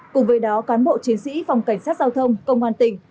cùng với đó cán bộ chiến sĩ phòng cảnh sát giao thông công an tỉnh